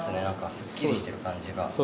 なんかすっきりしてる感じが。